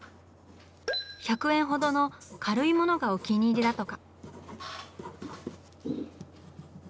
１００円ほどの軽いものがお気に入りだとか。